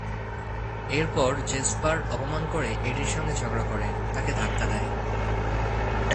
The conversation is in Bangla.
এরপর জেসপার অপমান করে এডির সঙ্গে ঝগড়া করে, তাকে ধাক্কা দেয়।